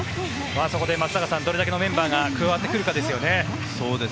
そこで松坂さんどれだけのメンバーが加わってくるかですよね。